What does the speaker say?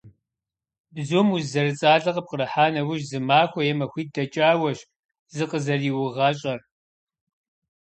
Бзум уз зэрыцӏалэ къыпкърыхьа нэужь, зы махуэ е махуитӏ дэкӏауэщ зыкъызэрыуигъащӏэр.